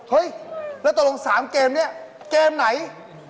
เฮ้ยแล้วตกลง๓เกมนี้เกมไหน